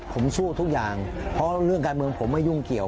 ผมสู้ทุกอย่างเพราะเรื่องการเมืองผมไม่ยุ่งเกี่ยว